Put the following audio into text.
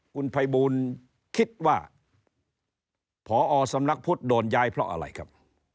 คุณภัยบูลคิดว่าพอสำนักพุทธโดนย้ายเพราะอะไรครับ